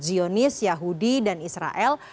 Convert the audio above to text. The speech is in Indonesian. zionis yahudi dan israel